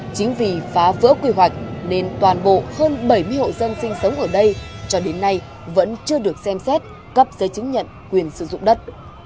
chính vì phá vỡ quy hoạch nên toàn bộ hơn bảy mươi hộ dân sinh sống ở đây cho đến nay vẫn chưa được xem xét cấp giấy chứng nhận quyền sử dụng đất